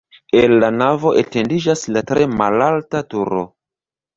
El la navo etendiĝas la tre malalta turo.